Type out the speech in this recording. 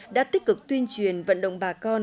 đã tích cực tuyên truyền vận động bà con